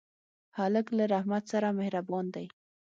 هلک له رحمت سره مهربان دی.